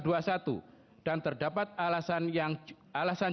dan terdapat alasan